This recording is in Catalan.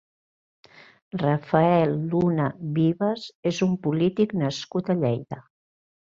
Rafael Luna Vives és un polític nascut a Lleida.